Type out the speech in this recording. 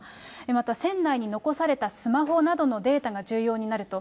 また船内に残されたスマホなどのデータが重要になると。